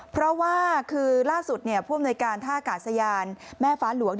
เพราะว่าคือล่าสุดภูมิในการท่าอากาศสยานแม่ฟ้าหลวง